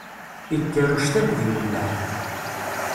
Ikker uctal di lemleḥ.